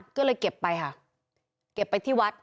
ก็เลยเก็บไปค่ะเก็บไปที่วัด